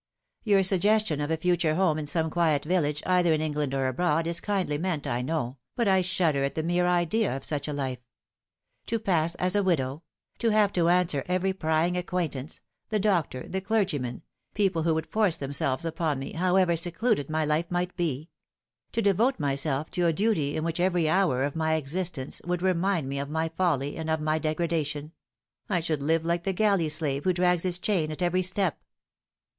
" Your suggestion of a future home in some quiet village, either in England or abroad, is kindly meant, 1 know, but I shudder at the mere idea of such a life. To pass as a widoAv ; to have to answer every prying acquaintance the doctor, the clergyman people who would force themselves upon me, how ever secluded my lif e might be ; to devote myself to a duty which in every hour of my existence would remind me of my 334 The Fatal Thru. folly and of my degradation : I should live like the galley slave who drags his chain at every step.